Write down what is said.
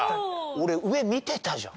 俺上見てたじゃん。